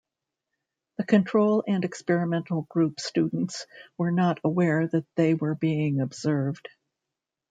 The control and experimental group students were not aware that they were being observed.